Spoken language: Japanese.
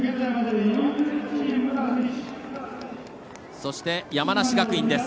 そして、山梨学院です。